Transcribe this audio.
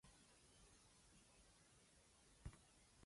He was the second son of the publisher William Randolph Hearst.